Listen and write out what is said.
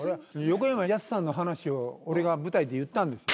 横山やすしさんの話を俺が舞台で言ったんです。